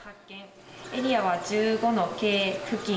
エリアは１５のＫ付近。